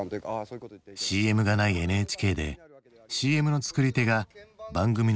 ＣＭがないＮＨＫでＣＭの作り手が番組の顔となる時代。